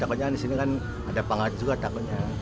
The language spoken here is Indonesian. takutnya kan di sini kan ada pengaturan juga takutnya